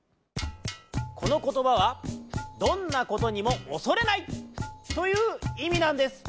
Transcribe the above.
このことばはどんなことにもおそれない！といういみなんです。